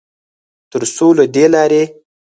ترڅوله دې لارې